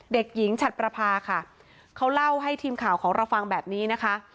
เด็กหญิงฉัดประพาค่ะเขาเล่าให้ทีมข่าวของเราฟังแบบนี้นะคะ